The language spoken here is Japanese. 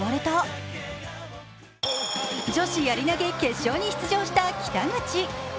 女子やり投決勝に出場した北口。